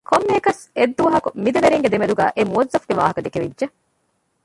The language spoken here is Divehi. ކޮންމެއަކަސް އެއްދުވަހަކު މި ދެ ވެރިންގެ ދެމެދުގައި އެ މުވައްޒަފުގެ ވާހަކަ ދެކެވިއްޖެ